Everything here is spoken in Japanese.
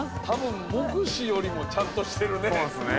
たぶん目視よりもちゃんとしてるね